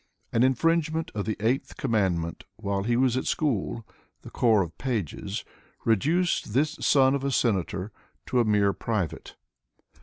An infringement of the eighth com mandment while he was at school (the Corps of Pages) reduced this son of a senator to a mere private.